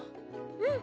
うん。